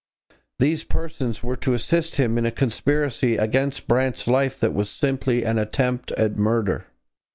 These persons were to assist him in a conspiracy against Brant's life that was simply an attempt at murder.